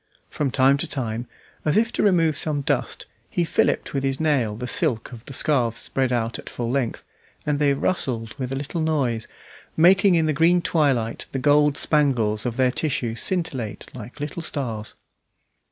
From time to time, as if to remove some dust, he filliped with his nail the silk of the scarves spread out at full length, and they rustled with a little noise, making in the green twilight the gold spangles of their tissue scintillate like little stars.